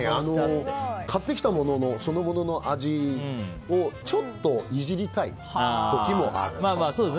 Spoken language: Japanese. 買ってきたもののそのものの味をちょっといじりたいって日もある。